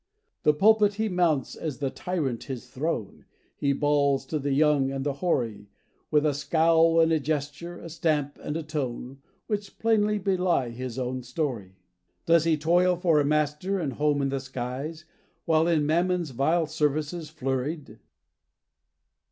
The pulpit he mounts, as the tyrant his throne, And bawls to the young and the hoary, With a scowl and a gesture, a stamp and a tone Which plainly belie his own story. Does he toil for a master and home in the skies, While in Mammon's vile services flurried!